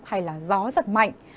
hay gió giật mạnh